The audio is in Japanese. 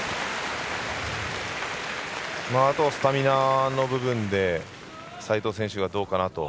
あとはスタミナの部分で斉藤選手がどうかなと。